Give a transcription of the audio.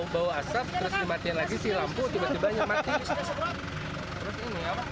bawa asap terus dimatikan lagi si lampu tiba tiba nyamati